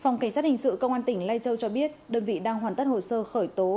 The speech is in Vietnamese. phòng cảnh sát hình sự công an tỉnh lai châu cho biết đơn vị đang hoàn tất hồ sơ khởi tố